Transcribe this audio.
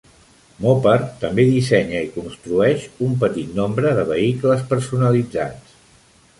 Mopar també dissenya i construeix un petit nombre de vehicles personalitzats.